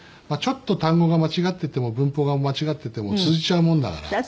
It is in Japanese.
ちょっと単語が間違ってても文法が間違ってても通じちゃうもんだから。